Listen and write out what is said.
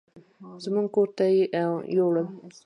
زموږ کور ته يې يوړل.